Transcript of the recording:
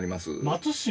松島。